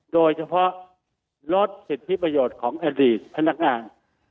โดยเฉพาะลดสิทธิประโยชน์ของอดีตพนักงาน